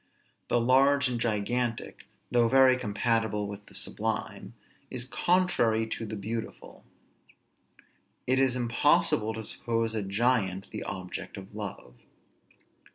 The large and gigantic, though very compatible with the sublime, is contrary to the beautiful. It is impossible to suppose a giant the object of love.